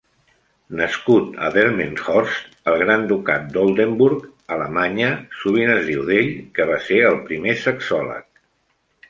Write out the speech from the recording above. Nascut a Delmenhorst, al Gran Ducat d'Oldenburg, Alemanya, sovint es diu d'ell que va ser el primer sexòleg.